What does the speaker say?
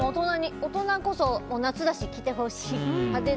大人こそ夏だし着てほしい。